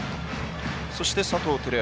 そして佐藤輝明